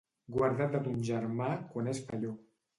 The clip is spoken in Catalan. Guarda't de ton germà quan és felló.